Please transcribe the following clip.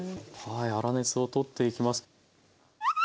はい粗熱を取っていきます。